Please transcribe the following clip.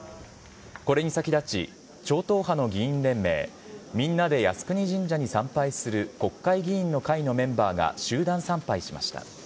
これに先立ち、超党派の議員連盟、みんなで靖国神社に参拝する国会議員の会のメンバーが集団参拝しました。